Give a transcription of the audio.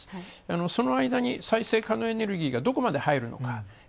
その間に再生可能エネルギーがどこまで入るのか。